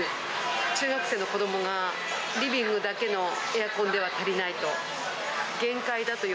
中学生の子どもがリビングだけのエアコンでは足りないと。